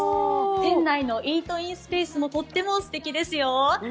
店内のイートインスペースもとってもすてきですよ。